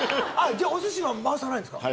じゃあお寿司は回さないんですか？